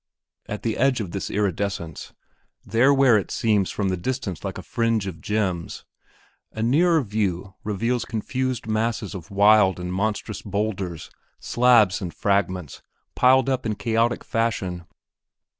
At the edge of this iridescence, there where it seems from the distance like a fringe of gems, a nearer view reveals confused masses of wild and monstrous boulders, slabs, and fragments piled up in chaotic fashion.